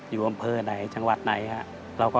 อยู่อำเภอไหนจังหวัดไหนครับ